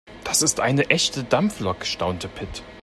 Das ist eine echte Dampflok, staunte Pit.